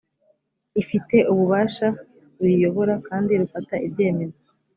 ifite ububasha ruyiyobora kandi rufata ibyemezo